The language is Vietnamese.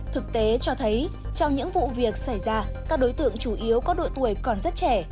thực tế cho thấy trong những vụ việc xảy ra các đối tượng chủ yếu có độ tuổi còn rất trẻ